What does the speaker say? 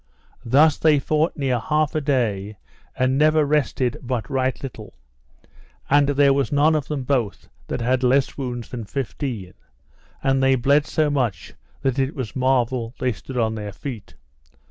Thus they fought near half a day, and never rested but right little, and there was none of them both that had less wounds than fifteen, and they bled so much that it was marvel they stood on their feet.